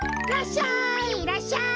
らっしゃい！